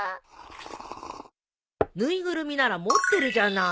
縫いぐるみなら持ってるじゃない。